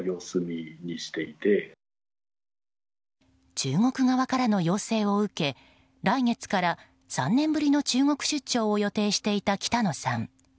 中国側からの要請を受け来月から３年ぶりの中国出張を予定していた北野さん。